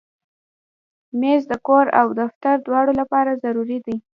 مېز د کور او دفتر دواړو لپاره ضروري دی.